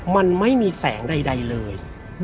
มันไม่มีแสงใดเลย